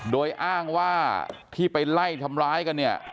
โดยอ้างว่าที่ไปไล่ทำร้ายกันเนี่ย